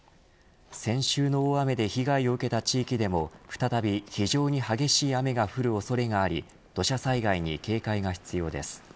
先週の大雨で被害を受けた地域でも再び非常に激しい雨が降る恐れがあり土砂災害に警戒が必要です。